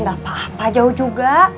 gak apa apa jauh juga